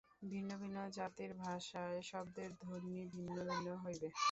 ভিন্ন ভিন্ন জাতির ভাষায় শব্দের ধ্বনি ভিন্ন ভিন্ন হইবে।